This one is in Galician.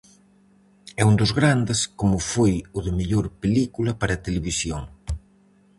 E un dos grandes, como foi o de mellor película para televisión.